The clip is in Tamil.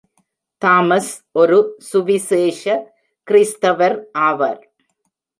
தாமஸ் ஒரு சுவிசேஷ கிறிஸ்தவர் ஆவர்.